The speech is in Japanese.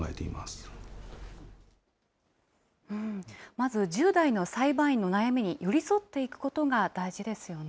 まず１０代の裁判員の悩みに寄り添っていくことが大事ですよ